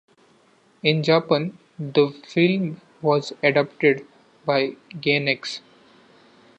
In Japan, the film was adapted by Gainax.